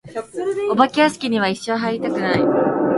お化け屋敷には一生入りたくない。